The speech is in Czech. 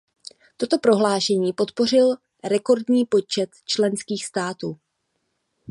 Toto prohlášení podpořil rekordní počet členských států.